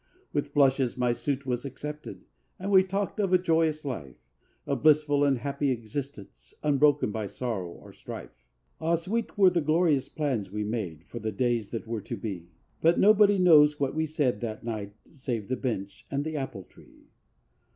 With blushes my suit was accepted, And we talked of a joyous life, A blissful and happy existence, Unbroken by sorrow or strife. Ah, sweet were the glorious plans we made For the days that were to be; But nobody knows what we said that night Save the bench and the apple tree.